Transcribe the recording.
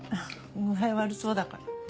具合悪そうだから。